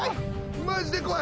マジで怖い！